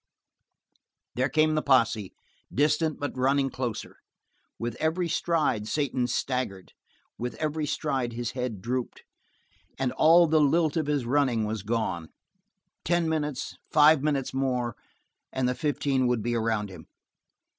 There came the posse, distant but running closer. With every stride Satan staggered; with every stride his head drooped, and all the lilt of his running was gone. Ten minutes, five minutes more and the fifteen would be around him.